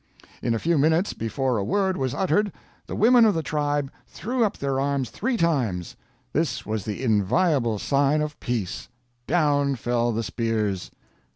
In a few minutes, before a word was uttered, the women of the tribe threw up their arms three times. This was the inviolable sign of peace! Down fell the spears.